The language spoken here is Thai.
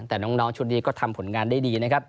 แต่น้องชุดนี้ก็ทำผลงานได้ดีนะครับ